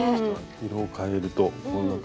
色をかえるとこんな感じで。